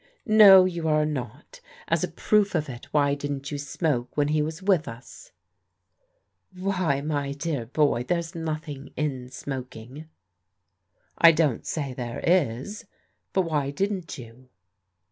" No, you are not. As a proof of it, why didn't you smoke when he was with us ?"" Why, my dear boy, there's nothing in smoking." " I don't say there is ; but why didn't you